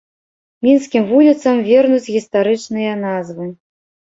Мінскім вуліцам вернуць гістарычныя назвы.